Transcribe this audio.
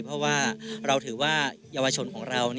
เพราะว่าเราถือว่าเยาวชนของเรา